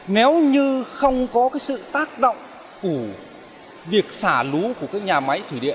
nếu như không có cái sự tác động của việc xả lũ của các nhà máy thủy điện